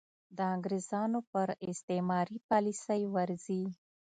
د انګرېزانو پر استعماري پالیسۍ ورځي.